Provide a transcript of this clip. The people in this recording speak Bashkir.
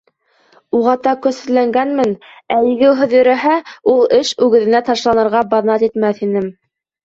Уғата көсһөҙләнгәнмен, ә егеүһеҙ йөрөһә, ул эш үгеҙенә ташланырға баҙнат итмәҫ инем.